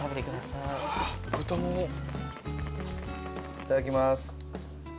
いただきます。